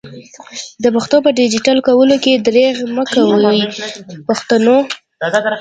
د پښتو په ډيجيټل کولو کي درېغ مکوئ پښتنو!